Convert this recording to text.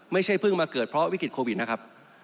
ไม่ใช่เพิ่งมาเกิดเพราะวิกฤตโควิดนะครับ